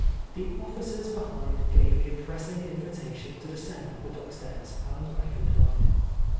The officers behind gave me a pressing invitation to descend the dock stairs, and I complied.